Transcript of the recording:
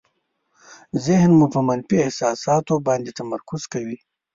ذهن مو په منفي احساساتو باندې تمرکز کوي.